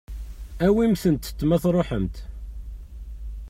Awimt-ten ma tṛuḥemt.